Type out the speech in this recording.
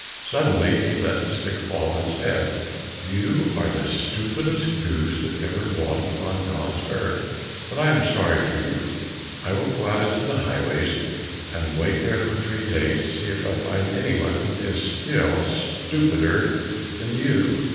Suddenly he let the stick fail and said, "You are the stupidest goose that ever waddled on God's earth, but I am sorry for you. I will go out into the highways and wait for three days to see if I find anyone who is still stupider than you.